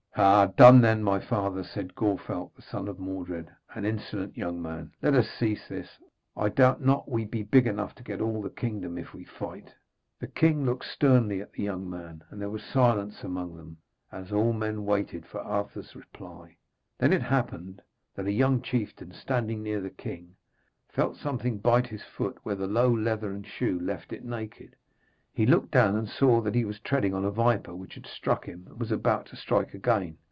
'Ha' done, then, my father,' said Gorfalk, the son of Mordred, an insolent young man. 'Let us cease this. I doubt not we be big enough to get all the kingdom if we fight.' The king looked sternly at the young man, and there was silence among them all as men waited for Arthur's reply. Then it happened that a young chieftain, standing near the king, felt something bite his foot where the low leathern shoe left it naked. He looked down and saw that he was treading on a viper, which had struck him and was about to strike again.